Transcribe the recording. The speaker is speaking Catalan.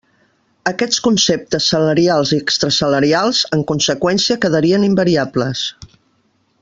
Aquests conceptes salarials i extrasalarials, en conseqüència, quedarien invariables.